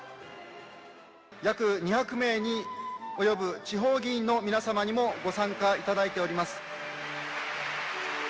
約２００名に及ぶ地方議員の皆様にもご参加いただいております。